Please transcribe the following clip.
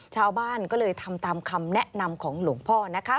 ชาวบ้านก็เลยทำตามคำแนะนำของหลวงพ่อนะคะ